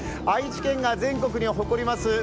愛知県が全国に誇ります